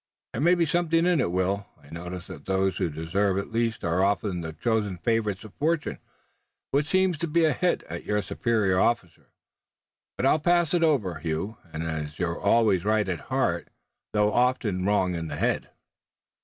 "There may be something in it, Will. I notice that those who deserve it least are often the chosen favorites of fortune." "Which seems to be a hit at your superior officer, but I'll pass it over, Hugh, as you're always right at heart though often wrong in the head."